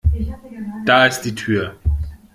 Da ist die Tür!